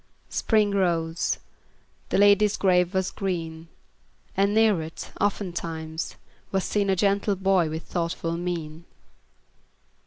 Spring rose; the lady's grave was green; And near it, oftentimes, was seen A gentle boy with thoughtful mien.